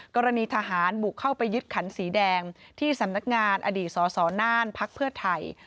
กรณีทหารบุกเข้าไปยึดขันสีแดงที่สำนักงานอดีตสนพไทย